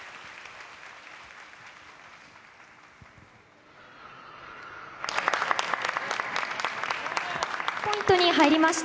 休憩ポイントに入りました。